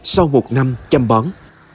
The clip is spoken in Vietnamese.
sau một năm chăm bóng